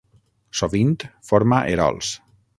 Sovint forma erols.